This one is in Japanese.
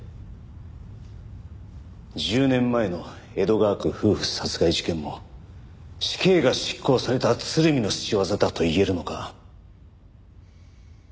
１０年前の江戸川区夫婦殺害事件も死刑が執行された鶴見の仕業だといえるのか？